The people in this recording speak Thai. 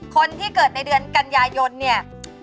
คนที่เกิดในเดือนกันยายนเนี่ย